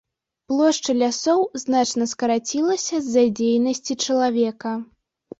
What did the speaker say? Плошча лясоў значна скарацілася з-за дзейнасці чалавека.